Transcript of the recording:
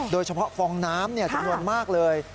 โดยเฉพาะฟองน้ำจำนวนมากเลย